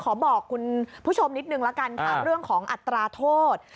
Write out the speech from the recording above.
ขอบอกคุณผู้ชมนิดนึงละกันค่ะเรื่องของอัตราโทษ